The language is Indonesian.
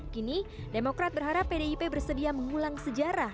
kini demokrat berharap pdip bersedia mengulang sejarah